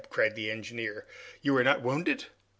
cried the engineer. "You are not wounded?"